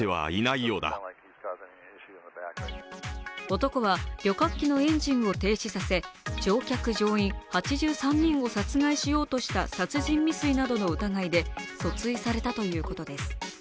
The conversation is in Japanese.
男は旅客機のエンジンを停止させ乗客・乗員８３人を殺害しようとした殺人未遂などの疑いで訴追されたということです。